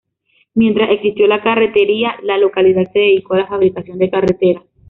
Mientras existió la carretería, la localidad se dedicó a la fabricación de carretas.